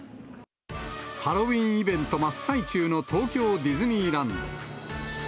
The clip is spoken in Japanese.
ハロウィーンイベント真っ最中の東京ディズニーランド。